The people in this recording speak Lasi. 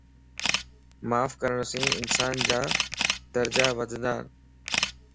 معاف ڪرڻ سين انسانَ جا درجا وڌنتا